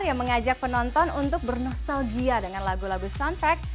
yang mengajak penonton untuk bernostalgia dengan lagu lagu sountack